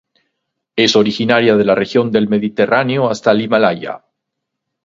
Es originaria de la región del Mediterráneo hasta el Himalaya.